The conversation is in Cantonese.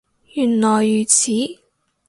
原來如此